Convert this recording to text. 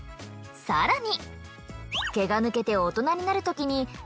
更に。